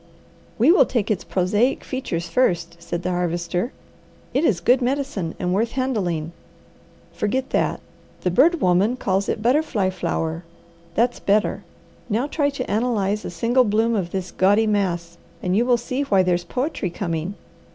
"We will take its prosaic features first," said the Harvester. "It is good medicine and worth handling. Forget that! The Bird Woman calls it butterfly flower. That's better. Now try to analyze a single bloom of this gaudy mass, and you will see why there's poetry coming."